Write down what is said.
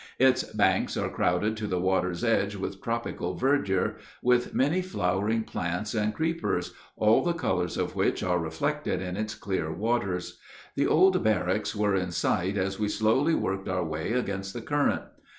Its banks are crowded to the water's edge with tropical verdure, with many flowering plants and creepers, all the colors of which are reflected in its clear waters. The old barracks were in sight as we slowly worked our way against the current.